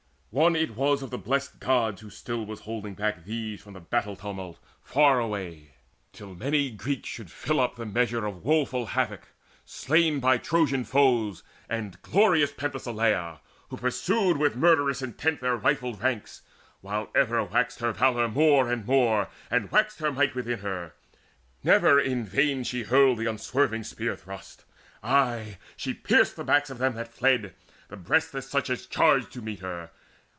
One it was Of the Blest Gods who still was holding back These from the battle tumult far away, Till many Greeks should fill the measure up Of woeful havoc, slain by Trojan foes And glorious Penthesileia, who pursued With murderous intent their rifled ranks, While ever waxed her valour more and more, And waxed her might within her: never in vain She aimed the unswerving spear thrust: aye she pierced The backs of them that fled, the breasts of such As charged to meet her.